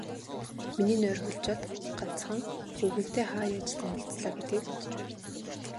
Миний нойр хулжаад, ганцхан, өвгөнтэй хаа яаж танилцлаа гэдгийг бодож байв.